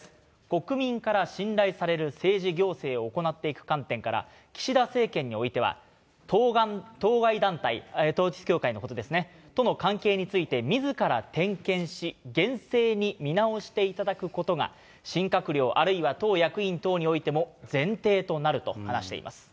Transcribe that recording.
国民から信頼される政治行政を行っていく観点から、岸田政権においては、当該団体、統一教会のことですね、との関係について、みずから点検し、厳正に見直していただくことが、新閣僚あるいは党役員等においても前提となると話しています。